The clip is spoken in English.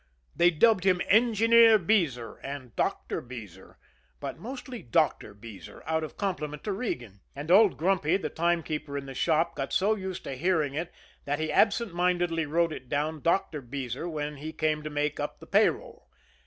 They dubbed him "Engineer" Beezer, and "Doctor" Beezer; but mostly "Doctor" Beezer out of compliment to Regan. And old Grumpy, the timekeeper in the shop, got so used to hearing it that he absent mindedly wrote it down "Doctor Beezer" when he came to make up the pay roll.